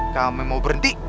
kami mau berhenti